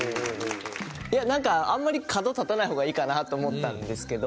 いやなんかあんまり角立たない方がいいかなと思ったんですけど。